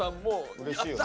うれしいよね。